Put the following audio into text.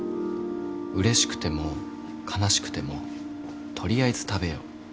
うれしくても悲しくても取りあえず食べよう。